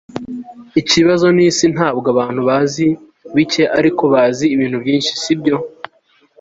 Ikibazo nisi ntabwo abantu bazi bike ariko bazi ibintu byinshi sibyo